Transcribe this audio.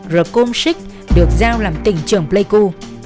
rồi công sức được giao làm tỉnh trưởng pleiku